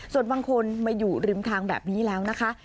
ส่วนบางคนมาอยู่ริมทางแบบนี้แล้วนะคะ